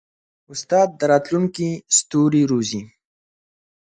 استاد د راتلونکي ستوري روزي.